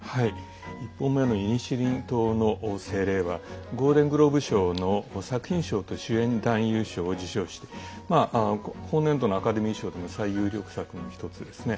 １本目の「イニシェリン島の精霊」はゴールデングローブ賞の作品賞と主演男優賞を受賞して本年度のアカデミー賞でも最有力作の１つですね。